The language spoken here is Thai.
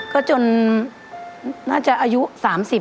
ก็จนน่าจะอายุ๓๐